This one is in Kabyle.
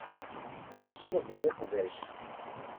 Ur tessardeḍ iqbac.